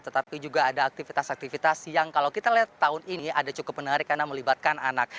tetapi juga ada aktivitas aktivitas yang kalau kita lihat tahun ini ada cukup menarik karena melibatkan anak